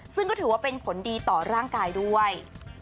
ซึ่งก็ถือว่าเป็นผลดีต่อร่างกายด้วย